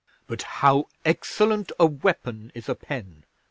"But how excellent a weapon is a pen!